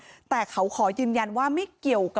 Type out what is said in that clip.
ชาวบ้านในพื้นที่บอกว่าปกติผู้ตายเขาก็อยู่กับสามีแล้วก็ลูกสองคนนะฮะ